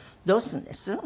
どうするんです？